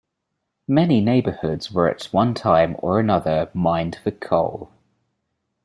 Many neighborhoods were at one time or another mined for coal.